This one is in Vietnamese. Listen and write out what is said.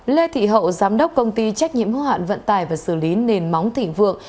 lê thị hậu giám đốc công ty trách nhiệm hô hạn vận tải và xử lý nền móng thỉnh vượng